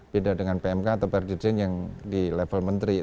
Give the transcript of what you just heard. beda dengan pmk atau perdirjen yang di level menteri